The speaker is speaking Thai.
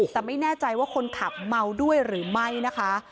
แต่ไม่แน่ใจว่าคนขับเมาด้วยหรือไม่นะคะ